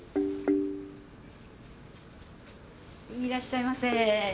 いらっしゃいませ。